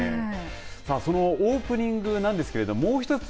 さあ、そのオープニングなんですけれども、もう一つ。